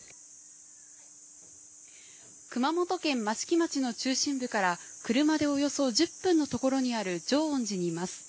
熊本県益城町の中心部から車でおよそ１０分の所にある浄恩寺にいます。